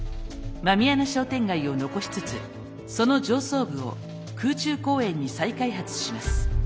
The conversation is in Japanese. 狸穴商店街を残しつつその上層部を空中公園に再開発します。